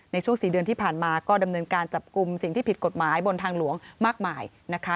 ในช่วง๔เดือนที่ผ่านมาก็ดำเนินการจับกลุ่มสิ่งที่ผิดกฎหมายบนทางหลวงมากมายนะคะ